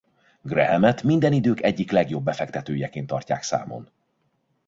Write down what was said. Grahamet minden idők egyik legjobb befektetőjeként tartják számon.